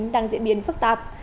đang diễn biến phức tạp